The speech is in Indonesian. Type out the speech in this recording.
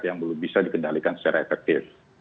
yang belum bisa dikendalikan secara efektif